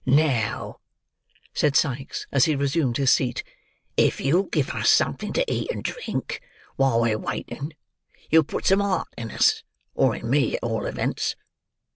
"Now," said Sikes, as he resumed his seat, "if you'll give us something to eat and drink while we're waiting, you'll put some heart in us; or in me, at all events.